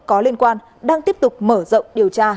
có liên quan đang tiếp tục mở rộng điều tra